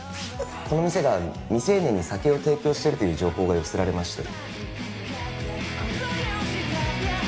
この店が未成年に酒を提供しているという情報が寄せられまして。